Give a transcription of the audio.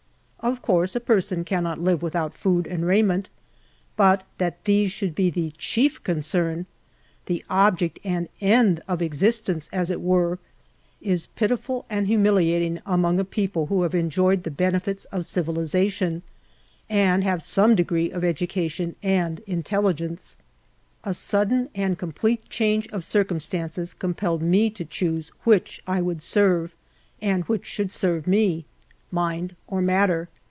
Of course a person cannot live without food and raiment, but that these should be the chief concern, the object and end of existence, as it were, is pitiful and humiliating among a people who have enjoyed the benefits of civilization, and have some degree of education and in telligence. A sudden and complete change of circumstances compelled me to choose w^iich I would serve, and which should serve me — mind or matter.